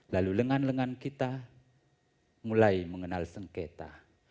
lalu lengan lengan kita mulai mengenal sengketa